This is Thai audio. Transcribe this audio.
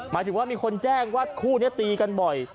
หมายถึงว่ามีคนแจ้งว่าคู่นี้ตีกันบ่อย